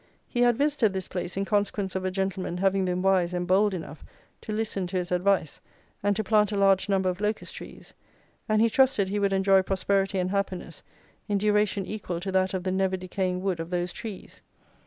He had visited this place in consequence of a gentleman having been wise and bold enough to listen to his advice, and to plant a large number of locust trees; and he trusted he would enjoy prosperity and happiness, in duration equal to that of the never decaying wood of those trees.